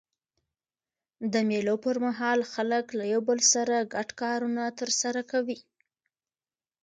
د مېلو پر مهال خلک له یو بل سره ګډ کارونه ترسره کوي.